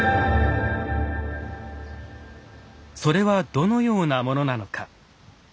それはどのようなものなのか。